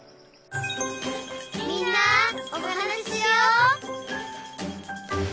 「みんなおはなししよう」